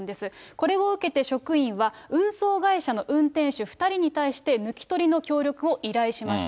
これを受けて職員は、運送会社の運転手２人に対して、抜き取りの協力を依頼しました。